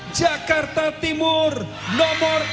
jakarta timur nomor enam